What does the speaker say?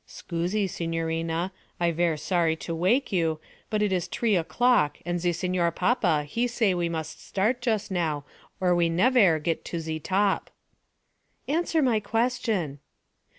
'Scusi, signorina. I ver' sorry to wake you, but it is tree o'clock and ze Signor Papa he say we must start just now or we nevair get to ze top.' 'Answer my question.'